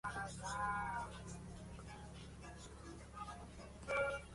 Para esto, necesitan proteger sus hallazgos para que nadie se aproveche de su esfuerzo.